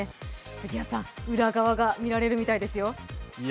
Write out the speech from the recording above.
杉谷さん、裏側が見られるみたいですよ。